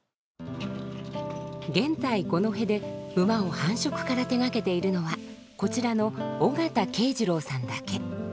現在五戸で馬を繁殖から手がけているのはこちらの尾形恵司郎さんだけ。